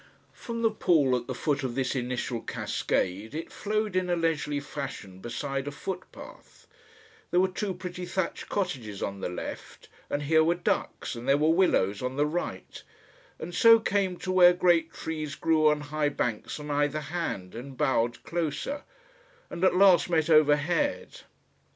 From the pool at the foot of this initial cascade it flowed in a leisurely fashion beside a footpath, there were two pretty thatched cottages on the left, and here were ducks, and there were willows on the right, and so came to where great trees grew on high banks on either hand and bowed closer, and at last met overhead.